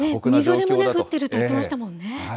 みぞれも降っていると言ってましたもんね。